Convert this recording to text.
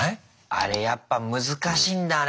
あれやっぱ難しいんだね